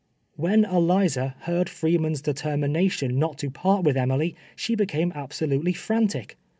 "WHien Eliza heard Freeman's determination not to part with Emily, she became absolutely frantic.